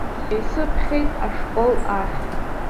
Исыԥхьеит ашкол ахь.